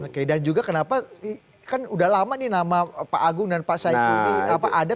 oke dan juga kenapa kan udah lama nih nama pak agung dan pak saiku ini ada